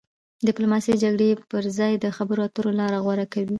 ډیپلوماسي د جګړې پر ځای د خبرو اترو لاره غوره کوي.